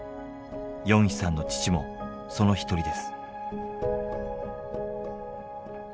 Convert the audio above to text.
ヨンヒさんの父もその一人です。